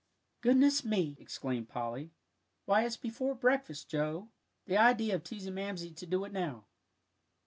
"Goodness me!" exclaimed Polly; "why, it's before breakfast, Joe. The idea of teasing Mamsie to do it now."